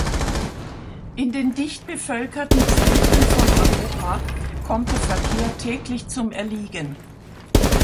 In den dichtbevölkerten Zentren von Europa kommt der Verkehr täglich zum Erliegen.